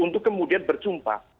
untuk kemudian berjumpa